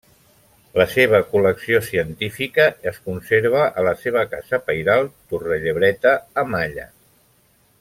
La seva col·lecció científica es conserva a la seva casa pairal Torrellebreta a Malla.